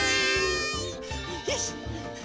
よし！